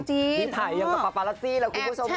ที่ไทยกับปราปราสิแล้วคุณผู้ชมค่ะ